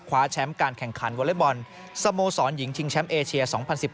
แชมป์การแข่งขันวอเล็กบอลสโมสรหญิงชิงแชมป์เอเชีย๒๐๑๙